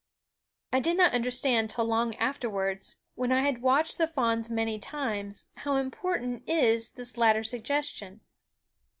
I did not understand till long afterwards, when I had watched the fawns many times, how important is this latter suggestion.